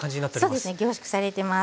凝縮されてます。